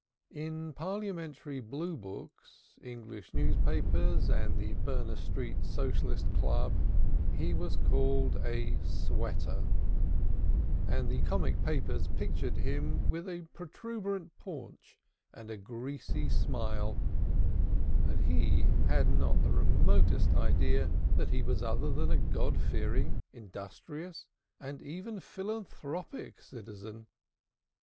In Parliamentary Blue Books, English newspapers, and the Berner Street Socialistic Club, he was called a "sweater," and the comic papers pictured him with a protuberant paunch and a greasy smile, but he had not the remotest idea that he was other than a God fearing, industrious, and even philanthropic citizen.